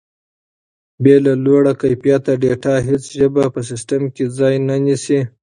بې له لوړ کیفیت ډیټا هیڅ ژبه په سیسټم کې ځای نه نیسي.